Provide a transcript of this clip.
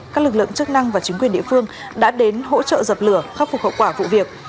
các lực lượng chức năng và chính quyền địa phương đã đến hỗ trợ dập lửa khắc phục hậu quả vụ việc